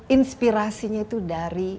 inspirasinya itu dari